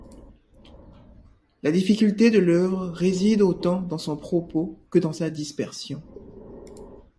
La difficulté de l'œuvre réside autant dans son propos que dans sa dispersion.